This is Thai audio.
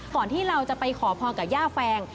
ที่เราจะไปขอพรกับย่าแฟง